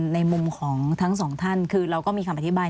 ในมุมของทั้งสองท่านคือเราก็มีคำอธิบาย